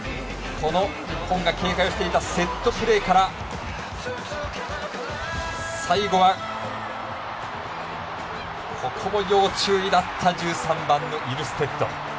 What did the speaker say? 日本が警戒していたセットプレーから最後はここも要注意だった１３番のイルステッド。